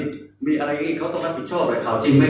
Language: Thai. กิดมีพิมพ์เค้าก่อนหน้ากลุ่มมีอะไรเข้าจริงมั้ย